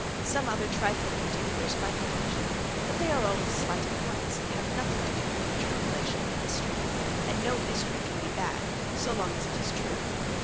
Some other trifling particulars might be mentioned, but they are all of slight importance and have nothing to do with the true relation of the history; and no history can be bad so long as it is true.